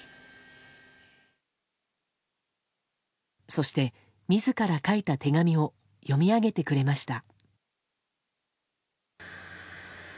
そして自ら書いた手紙を読み上げてくれました。